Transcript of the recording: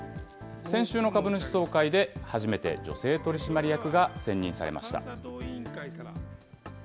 先週の株主総会で初めて女性取締役が選任されました。